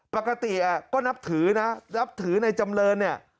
ปกติก็นับถือนะนับถือในจำเรินเนี่ย